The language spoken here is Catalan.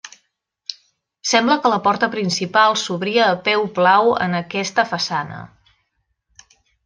Sembla que la porta principal s'obria a peu plau en aquesta façana.